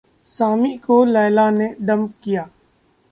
सामी को लैला ने डम्प किया।